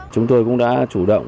chúng tôi cũng đã chủ động